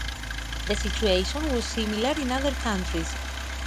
The situation was similar in other countries.